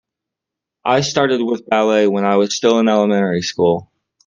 I started with ballet when I was still in elementary school.